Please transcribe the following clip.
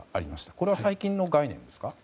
これは最近の概念ですか。